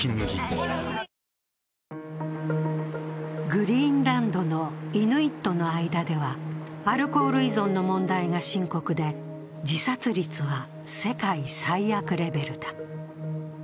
グリーンランドのイヌイットの間では、アルコール依存の問題が深刻で自殺率は世界最悪レベルだ。